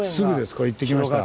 これ行ってきました。